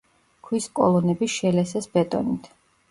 ქვის კოლონები შელესეს ბეტონით.